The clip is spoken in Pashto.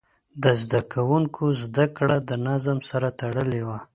د زده کوونکو زده کړه د نظم سره تړلې وه.